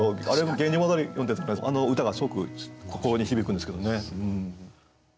「源氏物語」読んでるとあの歌がすごく心に響くんですけどね。